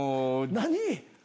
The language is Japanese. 何？